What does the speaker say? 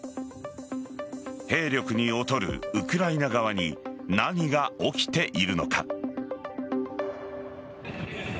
兵力に劣るウクライナ側に何が起きているのか。